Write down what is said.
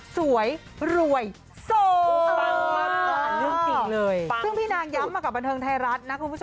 สวยรวยโส